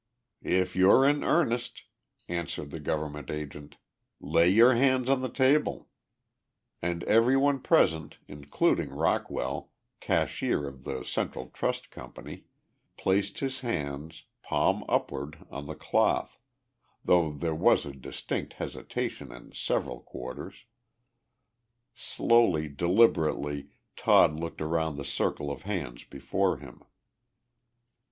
"If you're in earnest," answered the government agent, "lay your hands on the table." And everyone present, including Rockwell, cashier of the Central Trust Company, placed his hands, palm upward, on the cloth though there was a distinct hesitation in several quarters. Slowly, deliberately, Todd looked around the circle of hands before him.